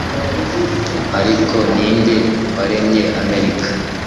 ariko Ninde waremye Amerika